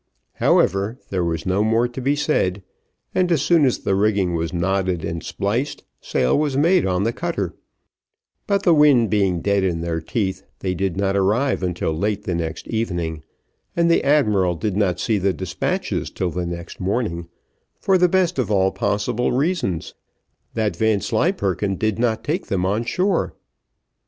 However, there was no more to be said; and as soon as the rigging was knotted and spliced, sail was made in the cutter; but the wind being dead in their teeth, they did not arrive until late the next evening, and the admiral did not see despatches till the next morning, for the best of all possible reasons, that Vanslyperken did not take them on shore.